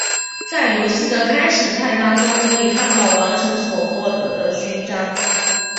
在游戏的开始菜单中可以看到完成所获得的勋章。